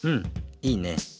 いいね。